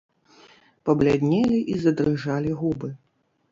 Пабляднелі і задрыжалі губы.